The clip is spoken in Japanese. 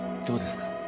どうですか？